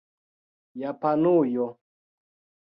Japanujo